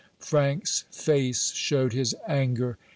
Frank's face showed his anger.